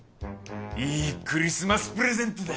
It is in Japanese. いいクリスマスプレゼントだ。